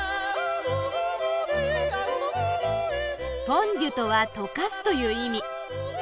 フォンデュとは「溶かす」という意味。